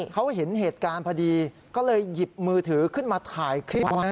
เขาเห็นเหตุการณ์พอดีก็เลยหยิบมือถือขึ้นมาถ่ายคลิปไว้